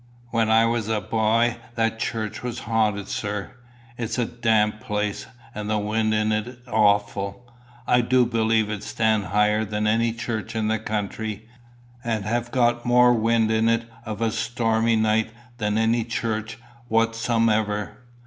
When I was a by that church was haunted, sir. It's a damp place, and the wind in it awful. I du believe it stand higher than any church in the country, and have got more wind in it of a stormy night than any church whatsomever.